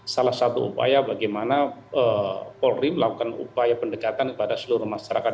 salah satu upaya bagaimana polri melakukan upaya pendekatan kepada seluruh masyarakat